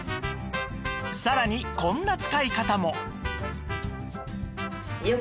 さらにこんな使い方も